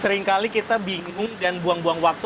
seringkali kita bingung dan buang buang waktu